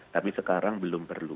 tapi sekarang belum perlu